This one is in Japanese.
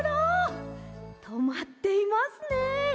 とまっていますね。